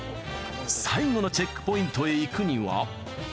最後のチェックポイントへ行くには。